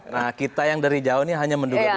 nah kita yang dari jauh ini hanya menduga duga